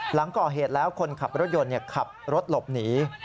หลังก่อเหตุแล้วคนขับรถยนต์ขับรถหลบหนี